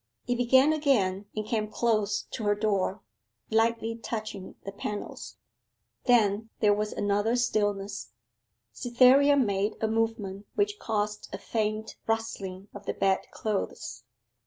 It began again and came close to her door, lightly touching the panels. Then there was another stillness; Cytherea made a movement which caused a faint rustling of the bed clothes.